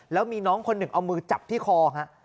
แล้วมีน้องคนหนึ่งเอามือจับที่คอฮะ